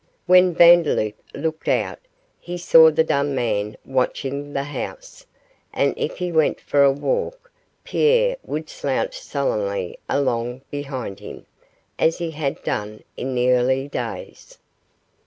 Whenever Vandeloup looked out, he saw the dumb man watching the house, and if he went for a walk, Pierre would slouch sullenly along behind him, as he had done in the early days.